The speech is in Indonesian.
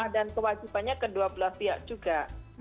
dan kewajibannya kedua belah pihak juga